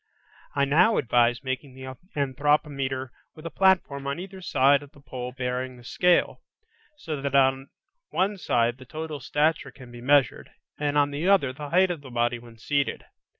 I now advise making the anthropometer with a platform on either side of the pole bearing the scale, so that on one side the total stature can be measured, and on the other the height of the body when seated.